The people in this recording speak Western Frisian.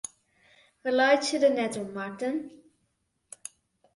Wy laitsje der net om, Marten.